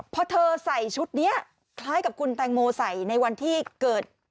พอเธอใส่ชุดนี้คล้ายกับคุณแตงโมใส่ในวันที่เกิด